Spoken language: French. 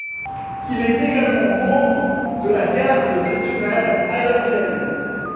Il est également membre de la garde nationale aérienne.